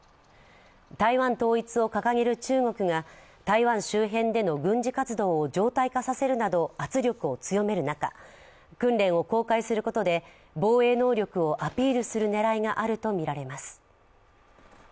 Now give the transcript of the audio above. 台湾統一を掲げる中国が台湾周辺での軍事活動を常態化させるなど圧力を強める中訓練を公開することで、防衛能力をアピールする狙いがあるとみられます。